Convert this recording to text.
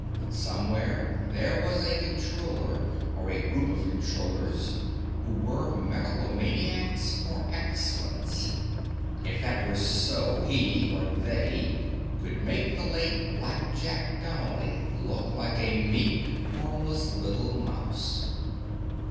Somewhere, there was a Controller, or a group of Controllers who were megalomaniacs par excellence. If that were so, he or they could make the late "Blackjack" Donnely look like a meek, harmless, little mouse.